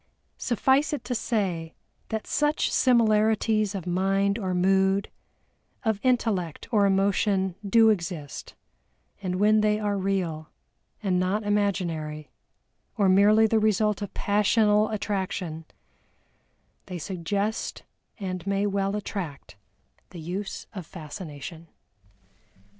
Suffice it to say that such similarities of mind or mood, of intellect or emotion do exist, and when they are real, and not imaginary, or merely the result of passional attraction, they suggest and may well attract the use of Fascination.